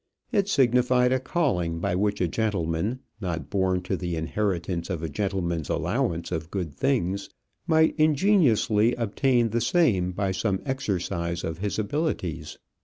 It signified a calling by which a gentleman, not born to the inheritance of a gentleman's allowance of good things, might ingeniously obtain the same by some exercise of his abilities.